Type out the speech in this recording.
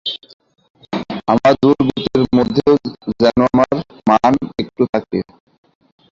আমার দুর্গতির মধ্যেও যেন আমার মান একটু থাকে।